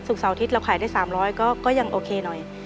เสาร์อาทิตย์เราขายได้๓๐๐ก็ยังโอเคหน่อย